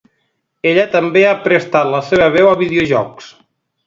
Ella també ha prestat la seva veu a videojocs.